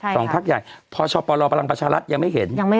สองพักใหญ่พชลปรัจฉระตร์ยังไม่เห็น